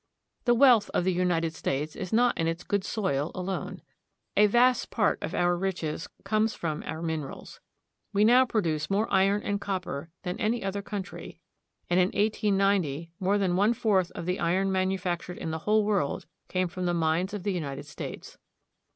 The wealth of the United States is not in its good soil alone. A vast part of our riches comes from our min erals. We now produce more iron and copper than any other country, and in 1890 more than one fourth of the iron manufactured in the whole world came from the mines of the United States.